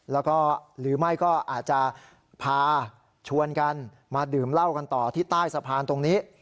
แล้วก็หรือไม่ก็อาจจะพาชวนกันมาดื่มเหล้ากันต่อที่ใต้สะพานตรงนี้